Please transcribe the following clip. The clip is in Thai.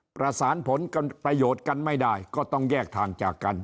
ประสานผลประโยชน์กันไม่ได้ก็ต้องแยกทางจากกัน